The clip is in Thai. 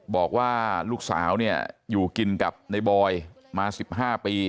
บอกว่าลูกสาวเนี่ยอยู่กินกับในบอยมา๑๕ปี